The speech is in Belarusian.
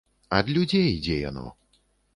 Ад людзей ідзе яно.